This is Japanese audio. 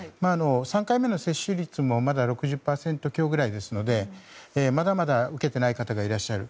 ３回目の接種率も６０％強ぐらいですのでまだまだ受けていない方がいらっしゃる。